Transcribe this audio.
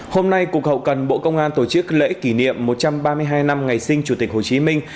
hôm nay cục hậu cần bộ công an tổ chức lễ kỷ niệm một trăm ba mươi hai năm ngày sinh chủ tịch hồ chí minh